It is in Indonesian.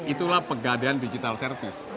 itulah pegadaian digital service